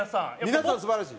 皆さん素晴らしい？